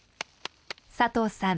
佐藤さん